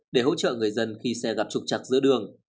để hỗ trợ người dân khi xe gặp trục chặt giữa đường